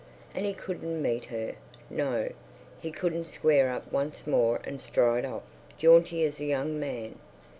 And he couldn't meet her, no; he couldn't square up once more and stride off, jaunty as a young man.